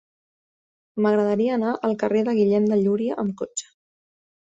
M'agradaria anar al carrer de Guillem de Llúria amb cotxe.